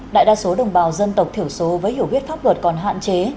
đại đa số đồng bào dân tộc thiểu số với hiểu biết pháp luật còn hạn chế